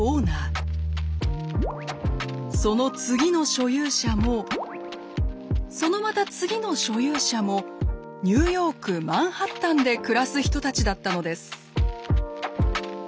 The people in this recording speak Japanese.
その次の所有者もそのまた次の所有者もニューヨークマンハッタンで暮らす人たちだったのです。